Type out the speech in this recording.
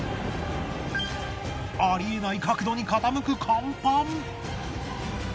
ありえない角度に傾く甲板。